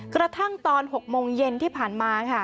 กระทั่งตอน๖โมงเย็นที่ผ่านมาค่ะ